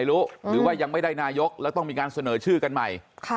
และต้องมีการเสนอชื่อกันใหม่